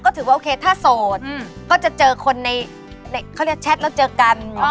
ก็ถือว่าโอเคถ้าโสดก็จะเจอคนในเขาเรียกแชทแล้วเจอกัน